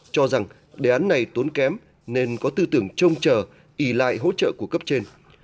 cho rằng đề án này tốn kém nên có tư tưởng trông chờ ý lại hỗ trợ của cấp trên